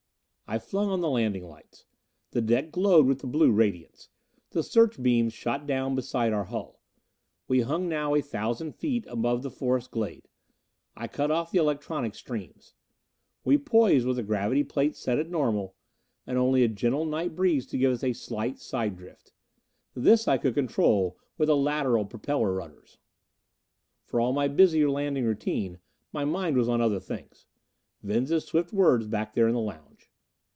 I flung on the landing lights; the deck glowed with the blue radiance; the search beams shot down beside our hull. We hung now a thousand feet above the forest glade. I cut off the electronic streams. We poised, with the gravity plates set at normal, and only a gentle night breeze to give us a slight side drift. This I could control with the lateral propeller rudders. For all my busy landing routine, my mind was on other things. Venza's swift words back there in the lounge.